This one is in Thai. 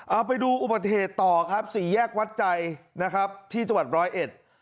เอาไปดูอุบัติเหตุต่อครับสี่แยกวัดใจนะครับที่จังหวัดร้อยเอ็ด